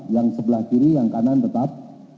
yang sebelah kiri yang kanan tetap